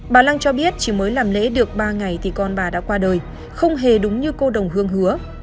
bà lăng cho biết chỉ mới làm lễ được ba ngày thì con bà đã qua đời không hề đúng như cô đồng hương hứa